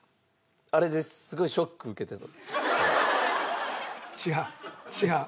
あれですごいショック受けてた。